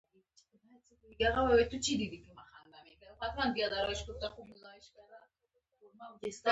په یوه میاشت کې زما زوی په بشپړ ډول بدل شو